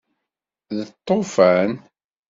D lṭufan.